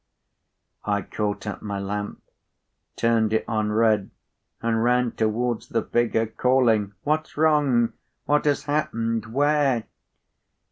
I caught up my lamp, turned it on red, and ran towards the figure, calling, 'What's wrong? What has happened? Where?